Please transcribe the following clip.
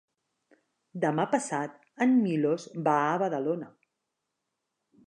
Demà passat en Milos va a Badalona.